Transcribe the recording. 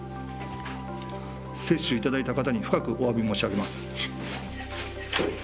接種いただいた方に深くおわび申し上げます。